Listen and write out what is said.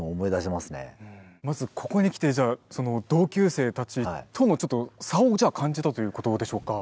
まずここに来てじゃあその同級生たちとのちょっと差を感じたということでしょうか？